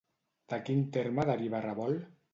De quin terme deriva revolt?